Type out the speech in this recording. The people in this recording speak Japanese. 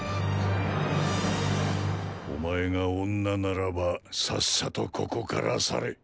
お前が“女”ならばさっさと戦場から去れ。